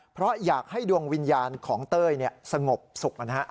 เพราะอยากให้ดวงวิญญาณของเต้ยสงบสุข